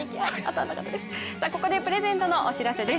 ここでプレゼントのお知らせです。